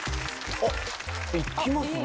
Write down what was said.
あっいきますね。